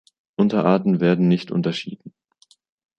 Unterarten werden nicht unterschieden.